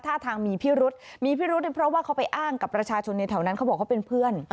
ท่าทางมีพิรุษมีพิรุษเนี่ยเพราะว่าเขาไปอ้างกับประชาชนในแถวนั้นเขาบอกเขาเป็นเพื่อน